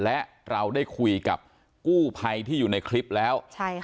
และเราได้คุยกับกู้ภัยที่อยู่ในคลิปแล้ว